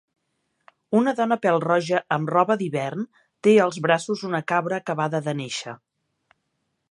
Una dona pèl-roja amb roba d'hivern té als braços una cabra acabada de néixer.